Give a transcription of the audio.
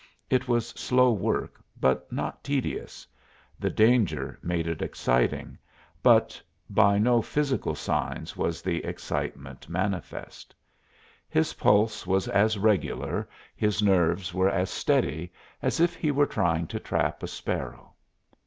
It was slow work, but not tedious; the danger made it exciting, but by no physical signs was the excitement manifest. His pulse was as regular, his nerves were as steady as if he were trying to trap a sparrow.